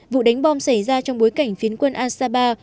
vụ đánh bom xảy ra trong bối cảnh phiến quân al sabah